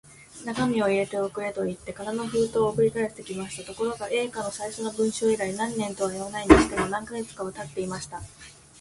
中身を入れて送れ、といって空の封筒を送り返してきました。ところが、Ａ 課の最初の文書以来、何年とはいわないにしても、何カ月かはたっていました。